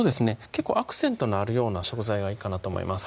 結構アクセントのあるような食材がいいかなと思います